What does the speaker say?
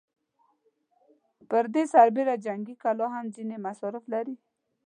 پر دې سربېره جنګي کلا هم ځينې مصارف لري.